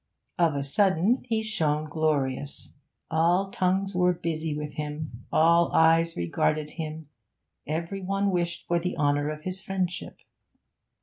Of a sudden he shone glorious; all tongues were busy with him, all eyes regarded him, every one wished for the honour of his friendship.